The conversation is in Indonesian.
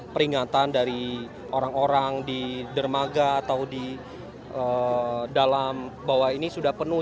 peringatan dari orang orang di dermaga atau di dalam bawah ini sudah penuh